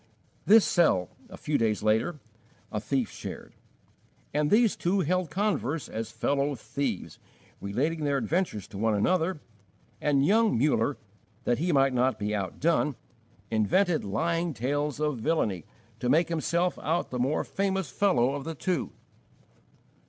This cell, a few days later, a thief shared: and these two held converse as fellow thieves, relating their adventures to one another, and young Muller, that he might not be outdone, invented lying tales of villainy to make himself out the more famous fellow of the two!